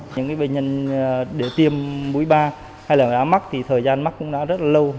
những bệnh nhân để tiêm mũi ba hay là đã mắc thì thời gian mắc cũng đã rất là lâu